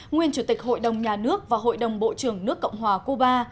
nguyên chủ tịch hội đồng nhà nước và hội đồng bộ trưởng nước cộng hòa cuba